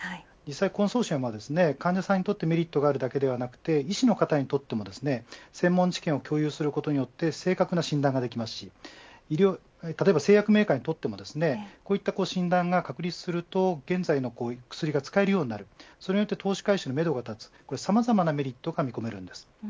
コンソーシアムは患者さんにとってメリットがあるだけではなく医師の方にとっても専門知見を共有することによって正確な診断ができますし製薬メーカーにとってもこういった診断が確立すると現在の薬が使えるようになるそれによって投資回収のめどが立ってさまざまなメリットが見込めます。